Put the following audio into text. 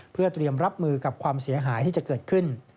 เพื่อเตรียมรับมือกับความเสียหายที่จะเกิดขึ้น